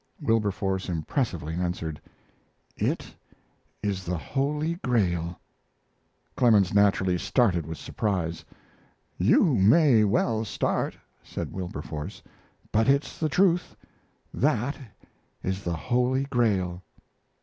Wilberforce impressively answered: "It is the Holy Grail." Clemens naturally started with surprise. "You may well start," said Wilberforce; "but it's the truth. That is the Holy Grail."